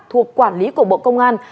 thuộc quản lý của bộ công an